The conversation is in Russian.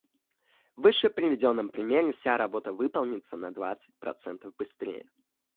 В вышеприведенном примере вся работа выполнится на двадцать процентов быстрее